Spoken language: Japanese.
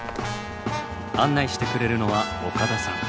案内してくれるのは岡田さん。